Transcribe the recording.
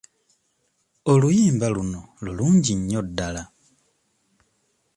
Oluyimba luno lulungi nnyo ddala.